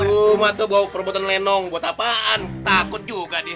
cuma tuh bawa perubatan lenong buat apaan takut juga dia